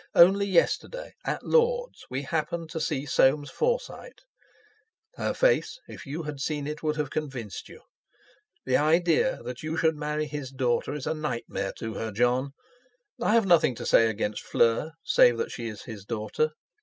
Only yesterday at Lord's we happened to see Soames Forsyte. Her face, if you had seen it, would have convinced you. The idea that you should marry his daughter is a nightmare to her, Jon. I have nothing to say against Fleur save that she is his daughter.